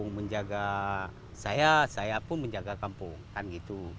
untuk menjaga saya saya pun menjaga kampung